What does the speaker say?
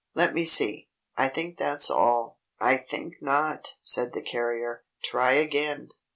Let me see. I think that's all." "I think not," said the carrier. "Try again."